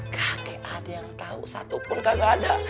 gak kayak ada yang tahu satupun kagak ada